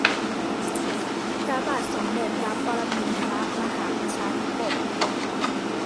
พระบาทสมเด็จพระปรมินทรมหาประชาธิปก